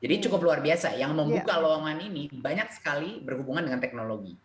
jadi cukup luar biasa yang membuka ruangan ini banyak sekali berhubungan dengan teknologi